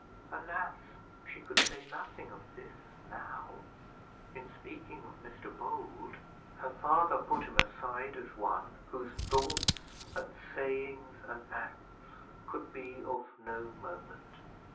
Alas! she could say nothing of this now. In speaking of Mr Bold, her father put him aside as one whose thoughts and sayings and acts could be of no moment.